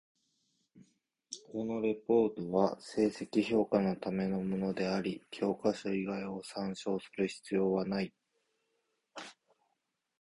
このレポートは成績評価のためのものであり、教科書以外を参照する必要なない。